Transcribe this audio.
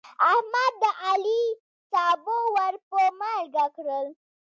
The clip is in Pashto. احمد د علي سابه ور په مالګه کړل.